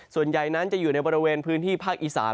ส่วนใหญ่นั้นจะอยู่ในบริเวณพื้นที่ภาคอีสาน